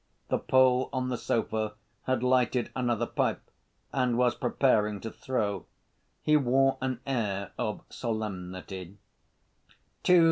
The Pole on the sofa had lighted another pipe and was preparing to throw. He wore an air of solemnity.